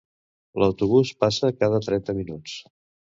L'autobús passa cada trenta minuts